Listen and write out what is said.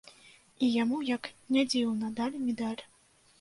І яму, як не дзіўна, далі медаль.